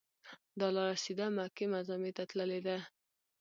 دا لاره سیده مکې معظمې ته تللې ده.